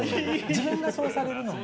自分がそうされるのは？